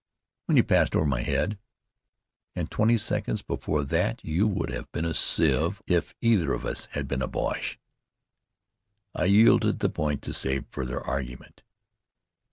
"When you passed over my head." "And twenty seconds before that you would have been a sieve, if either of us had been a Boche." I yielded the point to save further argument.